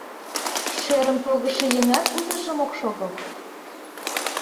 Шӧрым погышо еҥат утыжым ок шогылт.